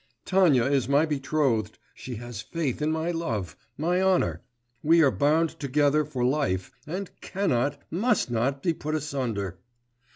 Tanya is my betrothed, she has faith in my love, my honour, we are bound together for life, and cannot, must not, be put asunder.